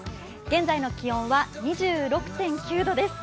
現在の気温は２６．９度です。